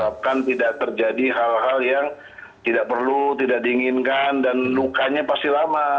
harapkan tidak terjadi hal hal yang tidak perlu tidak diinginkan dan lukanya pasti lama